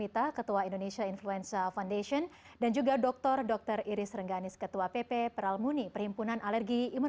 terima kasih pak